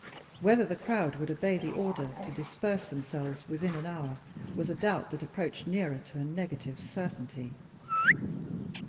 Whether the crowd would obey the order to disperse themselves within an hour, was a doubt that approached nearer to a negative certainty.